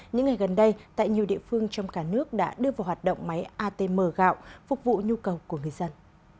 những ngày gần đây tại nhiều địa phương trong cả nước đã đưa vào hoạt động máy atm gạo phục vụ nhu cầu của người dân